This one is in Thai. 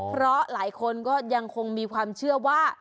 เพราะหลายคนก็ยังคงมีความเชื่อว่า